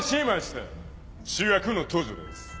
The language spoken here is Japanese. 主役の登場です。